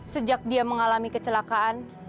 sejak dia mengalami kecelakaan